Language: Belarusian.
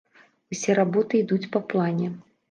Усе работы ідуць па плане.